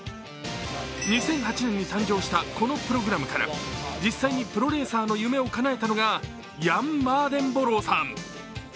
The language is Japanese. ２００８年に誕生したこのプログラムから実際にプロレーサーの夢をかなえたのがヤン・マーデンボローさん。